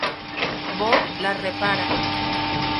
Bob la repara.